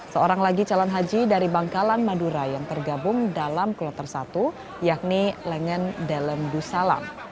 seorang lagi calon haji dari bangkalan madura yang tergabung dalam kloter satu yakni lengen delem dusalam